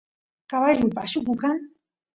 caballuy pashuku kan